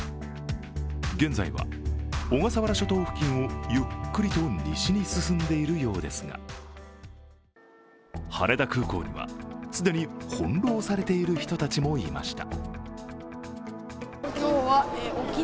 現在は小笠原諸島付近をゆっくりと西に進んでいるようですが羽田空港には、既に翻弄されている人たちもいました。